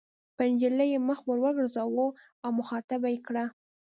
پر نجلۍ یې مخ ور وګرځاوه او مخاطبه یې کړه.